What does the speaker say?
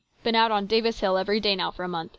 Been out on Davis hill every day now for a month.